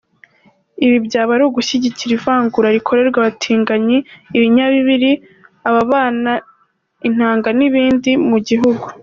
Ibi byaba ari ugushyigikira ivangura rikorerwa abatinganyi, ibinyabibiri, abahana intanga n’ibindi, mu gihugu.